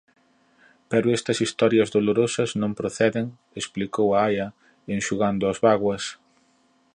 Pero estas historias dolorosas non proceden —explicou a aia, enxugando as bágoas—.